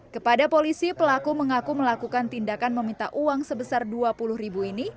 kepada polisi pelaku mengaku melakukan tindakan meminta uang sebesar dua puluh ribu ini